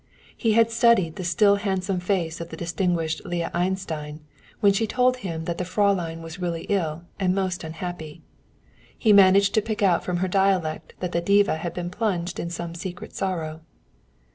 He had studied the still handsome face of the disguised Leah Einstein when she told him that the Fräulein was really ill and most unhappy. He managed to pick out from her dialect that the diva had been plunged in some secret sorrow.